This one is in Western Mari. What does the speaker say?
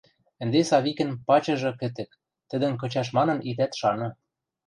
Ӹнде Савикӹн пачыжы кӹтӹк, тӹдӹм кычаш манын итат шаны.